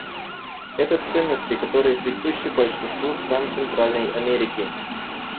Это ценности, которые присущи большинству стран Центральной Америки.